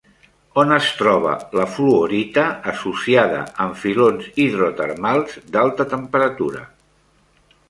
On es troba la fluorita associada en filons hidrotermals d'alta temperatura?